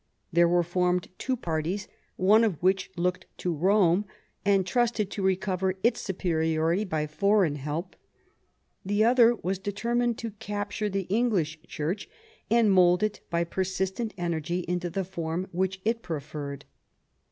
There were formed two parties, one of which looked to Rome, and trusted to recover its superiority by foreign help ; the other was determined to capture the English Church, and mould it by per sistent energy into the form which it preferred.